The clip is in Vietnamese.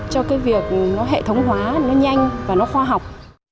cho việc hệ thống hóa nó nhanh và nó khoa học